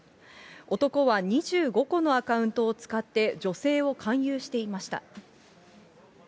男は２５個のアカウントを使って、女性を勧誘していました。